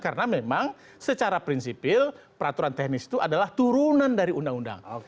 karena memang secara prinsipil peraturan teknis itu adalah turunan dari undang undang